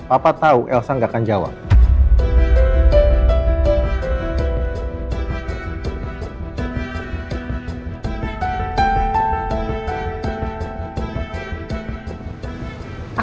aku tau elsa ga akan jawab